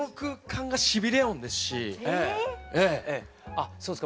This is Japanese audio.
あそうですか